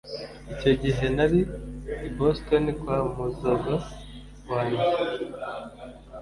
icyo gihe nari i boston kwamuzaza wanjye